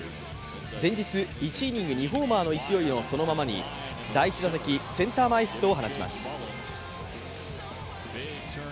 前日１イニング２ホーマーの勢いそのままに、第１打席、センター前ヒットを放ちます。